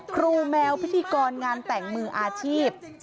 แมวพิธีกรงานแต่งมืออาชีพ